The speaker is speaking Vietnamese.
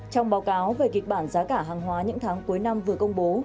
trong báo cáo về kịch bản giá cả hàng hóa những tháng cuối năm vừa công bố